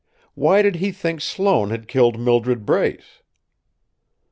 Why did he think Sloane had killed Mildred Brace?"